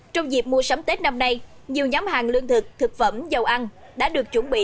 trong dịp mua sắm tết năm nay nhiều nhóm hàng lương thực thực phẩm dầu ăn đã được chuẩn bị